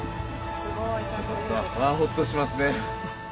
ほっとしますね。